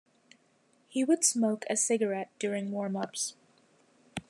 He would smoke a cigarette during warmups.